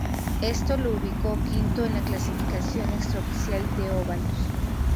Esto lo ubicó quinto en la clasificación extraoficial de óvalos.